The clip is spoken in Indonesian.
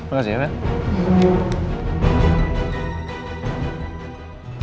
makasih ya pak